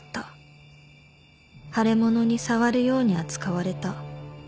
「腫れ物に触るように扱われた」